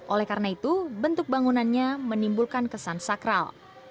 oleh karena itu bentuk bangunannya menimbulkan kesan sakral